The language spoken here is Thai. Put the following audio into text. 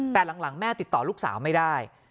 แต่หลังแม่ติดต่อลูกสาวไม่ได้